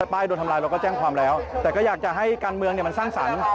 ป้ายโดนทำลายเราก็แจ้งความแล้วแต่ก็อยากจะให้การเมืองมันสร้างสรรค์